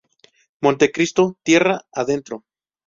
Montecristo, Tierra Adentro.